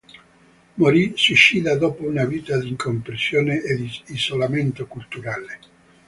Morì suicida dopo una vita di incomprensioni e di isolamento culturale.